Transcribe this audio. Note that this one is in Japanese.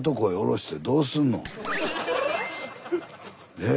えっ？